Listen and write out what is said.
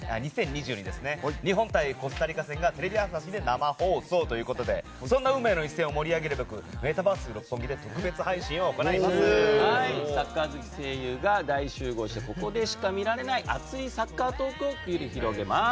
日本対コスタリカ戦がテレビ朝日で生放送ということでそんな運命の一戦を盛り上げるべくメタバース六本木でサッカー好き声優が大集合してここでしか見られない熱いサッカートークを繰り広げます。